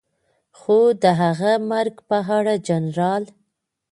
خو د هغه مرګ په اړه جنرال